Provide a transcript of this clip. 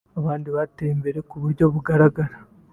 abandi bateye imbere ku buryo bugaragara